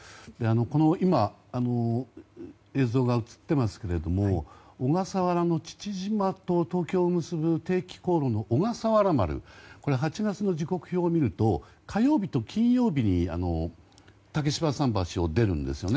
今、映像が映ってますけども小笠原の父島と東京を結ぶ定期航路の「おがさわら丸」８月の時刻表を見ると火曜日と金曜日に桟橋を出るんですよね。